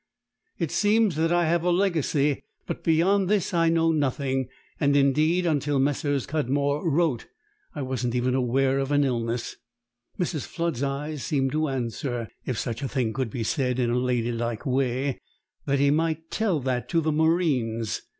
It seems that I have a legacy, but beyond this I know nothing, and indeed until Messrs. Cudmore wrote I wasn't even aware of an illness." Mrs. Flood's eyes seemed to answer, if such a thing could be said in a ladylike way, that he might tell that to the Marines.